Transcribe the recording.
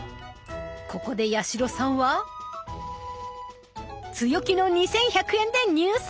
ここで八代さんは強気の２，１００円で入札！